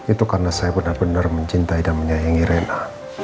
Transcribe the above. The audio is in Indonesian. itu karena saya benar benar mencintai dan menyayangi reina